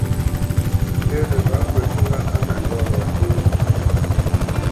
Lə́ nəghǎ pə ncû ŋgâʼ á mândɔ̂ lɔ ndê ŋgwóʼ.